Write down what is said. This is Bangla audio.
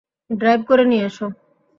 ড্রাইভ করে নিয়ে এসো।